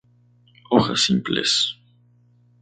Hojas simples.